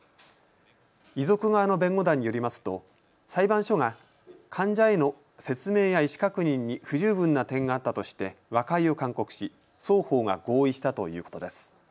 遺族側の弁護団によりますと裁判所が患者への説明や意思確認に不十分な点があったとして和解を勧告し双方が合意したということです。